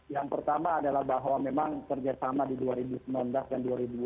yang pertama adalah bahwa memang kerjasama di dua ribu sembilan belas dan dua ribu dua puluh